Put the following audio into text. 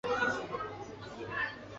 湖南人。